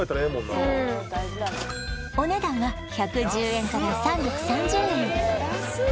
なお値段は１１０円から３３０円